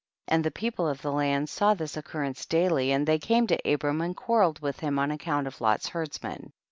38. And the people of the land saw this occurrence daily, and they came to Abram and quarrelled with him on account of Lot's herdsmen.